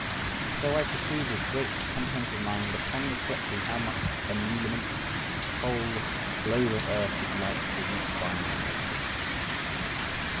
And so I proceed with great content of mind upon reflecting how much emolument this whole globe of earth is like to reap by my labours.